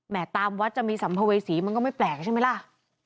ตามวัดจะมีสัมภเวษีมันก็ไม่แปลกใช่ไหมล่ะ